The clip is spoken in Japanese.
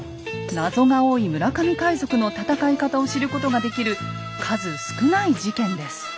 謎が多い村上海賊の戦い方を知ることができる数少ない事件です。